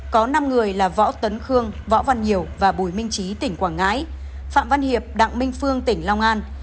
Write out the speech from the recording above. có năm người là võ tấn khương võ văn nhiều và bùi minh trí tỉnh quảng ngãi phạm văn hiệp đặng minh phương tỉnh long an